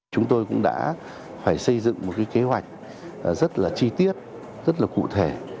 chúng tôi cũng đã phải xây dựng một kế hoạch rất là chi tiết rất là cụ thể